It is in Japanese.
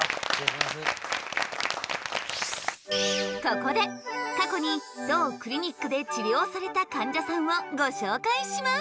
ここで過去に当クリニックで治療されたかんじゃさんをご紹介します。